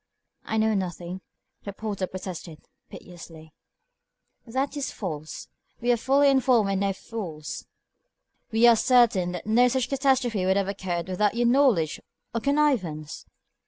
"I know nothing," the porter protested, piteously. "That is false. We are fully informed and no fools. We are certain that no such catastrophe could have occurred without your knowledge or connivance."